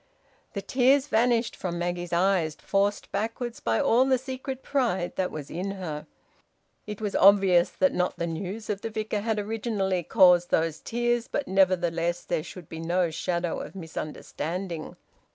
The tears vanished from Maggie's eyes, forced backwards by all the secret pride that was in her. It was obvious that not the news of the Vicar had originally caused those tears; but nevertheless there should be no shadow of misunderstanding.